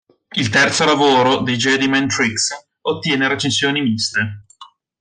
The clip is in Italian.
Il terzo lavoro dei Jedi Mind Tricks ottiene recensioni miste.